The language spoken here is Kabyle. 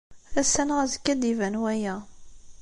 Ass-a neɣ azekka, ad d-iban waya.